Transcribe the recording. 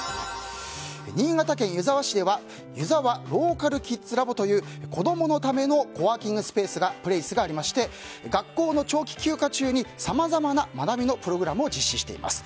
新潟県湯沢市では湯沢ローカルキッズラボという子供のためのコワーキング・プレイスがあって学校の長期休暇中にさまざまな学びのプログラムを実施しています。